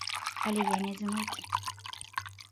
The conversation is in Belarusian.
Але я не адзінокі.